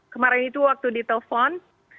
kemarin itu waktu di telpon